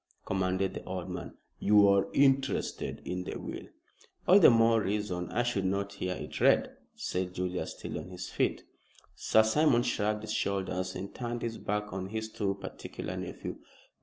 commanded the old man. "You are interested in the will." "All the more reason I should not hear it read," said Julius, still on his feet. Sir Simon shrugged his shoulders and turned his back on his too particular nephew.